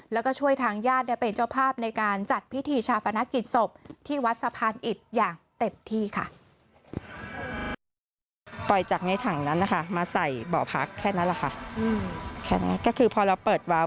แล้วก็ช่วยทางญาติเป็นเจ้าภาพในการจัดพิธีชาปนกิจศพที่วัดสะพานอิตอย่างเต็มที่ค่ะ